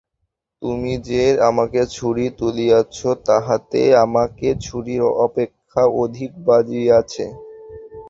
তুমি যে আমাকে ছুরি তুলিয়াছ, তাহাতে আমাকে ছুরির অপেক্ষা অধিক বাজিয়াছে।